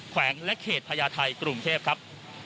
แขวงและเขตพญาไทยกรุงเทพครับ